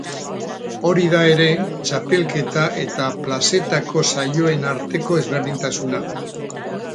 Hori da ere txapelketa eta plazetako saioen arteko ezberdintasuna.